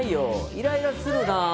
イライラするな！